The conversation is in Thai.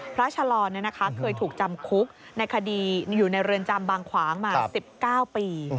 ชะลอนเคยถูกจำคุกในคดีอยู่ในเรือนจำบางขวางมา๑๙ปี